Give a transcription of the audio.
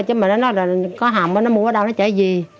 chứ mà nó có cá hồng nó mua ở đâu nó chảy gì